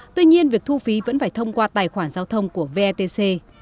tuy nhiên việc thu phí vẫn phải thông qua tài khoản giao thông của vetc